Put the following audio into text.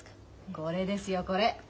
これですよこれ。